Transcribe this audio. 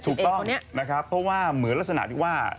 ถูกต้องนะครับเพราะว่าเหมือนลักษณะที่ว่า